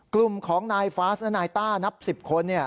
กลุ่มของนายฟาสและนายต้านับ๑๐คน